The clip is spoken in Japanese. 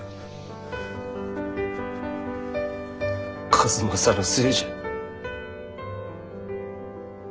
数正のせいじゃ。